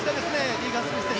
リーガン・スミス選手。